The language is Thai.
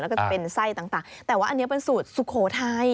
แล้วก็จะเป็นไส้ต่างแต่ว่าอันนี้เป็นสูตรสุโขทัย